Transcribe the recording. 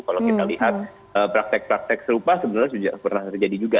kalau kita lihat praktek praktek serupa sebenarnya sudah pernah terjadi juga